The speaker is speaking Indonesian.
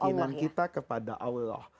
keyakinan kita kepada allah